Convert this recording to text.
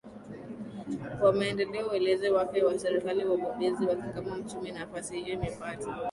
wa Maendeleo uelewa wake wa serikali na ubobezi wake kama mchumi nafasi hiyo imepata